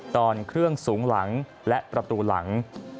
ตอนเครื่องสูงหลังและประตูหลัง